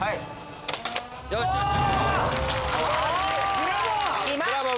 ブラボー！